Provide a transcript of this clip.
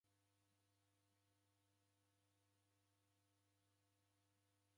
Funya maghuri kutesie w'akiw'a